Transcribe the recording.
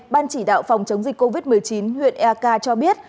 ban chỉ đạo phòng chống dịch covid một mươi chín huyện eka cho biết